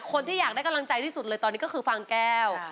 คนที่อยากได้กำลังใจที่สุดเลยตอนนี้ก็คือฟางแก้ว